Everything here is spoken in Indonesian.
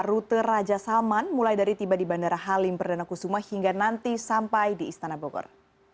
rute raja salman mulai dari tiba di bandara halim perdana kusuma hingga nanti sampai di istana bogor